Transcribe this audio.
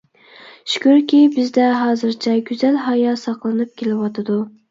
شۈكۈركى، بىزدە ھازىرچە گۈزەل ھايا ساقلىنىپ كېلىۋاتىدۇ.